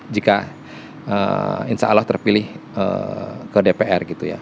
jika insya allah terpilih ke dpr gitu ya